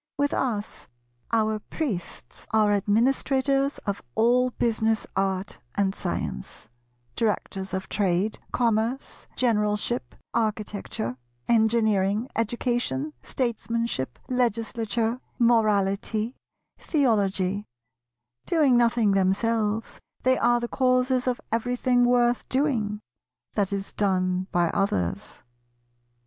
With us, our Priests are Administrators of all Business, Art, and Science; Directors of Trade, Commerce, Generalship, Architecture, Engineering, Education, Statesmanship, Legislature, Morality, Theology; doing nothing themselves, they are the Causes of everything worth doing, that is done by others.